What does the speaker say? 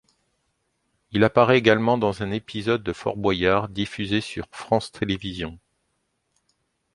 Il apparait également dans un épisode de Fort Boyard diffusé sur France Télévisions.